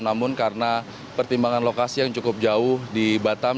namun karena pertimbangan lokasi yang cukup jauh di batam